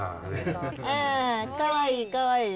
かわいい、かわいい。